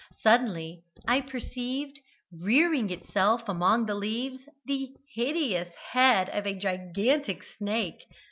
Suddenly I perceived, rearing itself among the leaves, the hideous head of a gigantic snake.